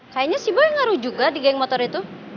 kayaknya si bayi ngaruh juga di geng motor itu